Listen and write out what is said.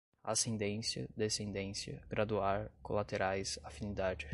ascendência, descendência, graduar, colaterais, afinidade